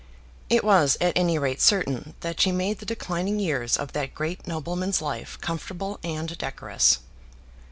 It was at any rate certain that she made the declining years of that great nobleman's life comfortable and decorous.